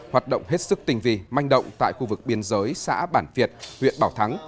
hoạt động hết sức tình vi manh động tại khu vực biên giới xã bản việt huyện bảo thắng